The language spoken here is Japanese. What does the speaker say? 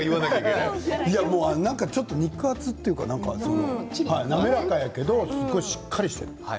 なんかちょっと肉厚というか滑らかやけどすごいしっかりしてる。